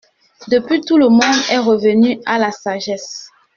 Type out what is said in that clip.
Depuis, tout le monde est revenu à la sagesse.